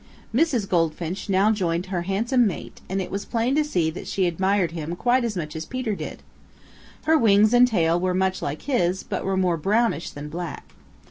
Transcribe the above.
Mrs. Goldfinch now joined her handsome mate and it was plain to see that she admired him quite as much as did Peter. Her wings and tail were much like his but were more brownish than black.